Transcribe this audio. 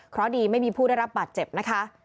เพราะดีไม่มีผู้ได้รับบาดเจ็บนะคะ